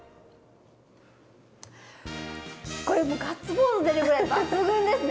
これもうガッツポーズ出るぐらい抜群ですね！